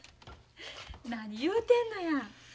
何言うてんのや。